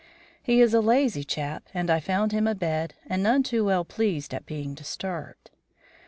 He is a lazy chap and I found him abed, and none too well pleased at being disturbed.